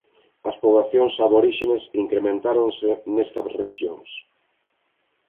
As poboacións aborixes incrementáronse nesta rexións.